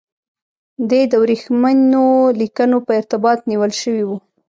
دی د ورېښمینو لیکونو په ارتباط نیول شوی و.